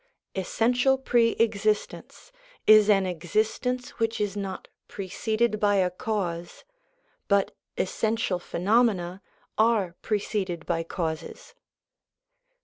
Essential pre existence is an existence which is not preceded by a cause, but essential phenomena are pre ceded by causes.